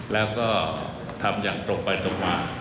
แล้วก็ทำอย่างตรงไปตรงมา